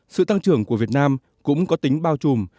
sự tăng trưởng của việt nam tăng trưởng trung bình gần bảy một năm